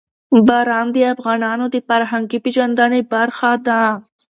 باران د افغانانو د فرهنګي پیژندنې برخه ده.